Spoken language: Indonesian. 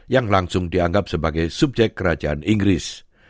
yang langsung dianggap sebagai subjek kerajaan inggris